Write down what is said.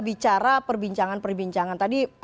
bicara perbincangan perbincangan tadi